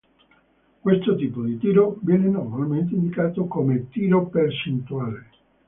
Questo tipo di tiro viene normalmente indicato come "tiro percentuale".